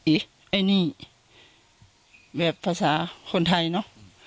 ไอ้นี่แบบภาษาคนไทยเนอะ